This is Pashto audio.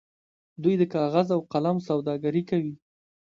دوی د کاغذ او قلم سوداګري کوي.